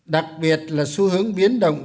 đặc biệt là xu hướng biến động